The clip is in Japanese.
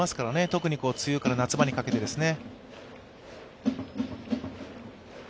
特に梅雨から夏場にかけてですね。